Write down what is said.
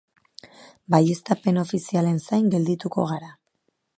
Baieztapen ofizialen zain geldituko gara.